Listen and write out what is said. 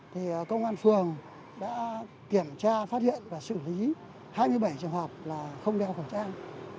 thì công an phường đã kiểm tra phát hiện và xử lý hai mươi bảy trường hợp là không đeo khẩu trang